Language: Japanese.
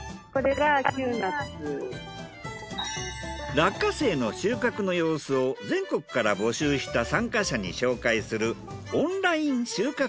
落花生の収穫の様子を全国から募集した参加者に紹介する。